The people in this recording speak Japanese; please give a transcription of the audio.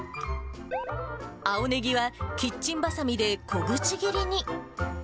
青ねぎはキッチンばさみで小口切りに。